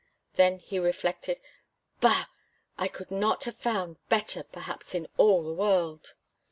Then he reflected: "Bah! I could not have found better perhaps in all the world!"